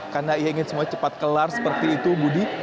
karena ia ingin semuanya cepat kelar seperti itu budi